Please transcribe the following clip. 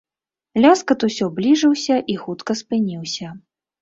Ляскат усё бліжыўся і хутка спыніўся.